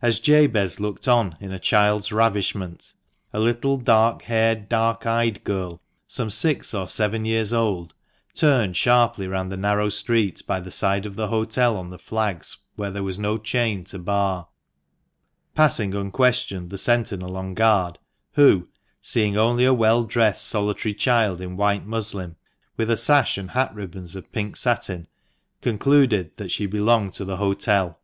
As Jabez looked on in a child's ravishment, a little dark haired, dark eyed girl, some six or seven years old, turned sharply round the narrow street by the side of the hotel on the flags where there was no chain to bar ; passing unquestioned the sentinel on guard, who, seeing only a well dressed solitary child in white muslin, with a sash and hat ribbons of pink satin, concluded that she belonged to the hotel.